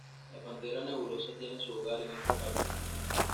La pantera nebulosa tiene su hogar en este parque.